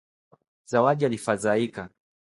Zawadi alifadhaika